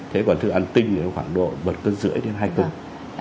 thế còn thức ăn tinh thì khoảng độ vật cân rưỡi đến hai cung